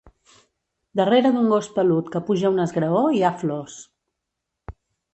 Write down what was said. Darrere d'un gos pelut que puja un esgraó hi ha flors.